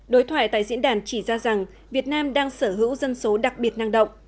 đối thoại tại diễn đàn chỉ ra rằng việt nam đang sở hữu dân số đặc biệt năng động